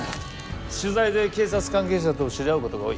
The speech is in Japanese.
取材で警察関係者と知り合うことが多い。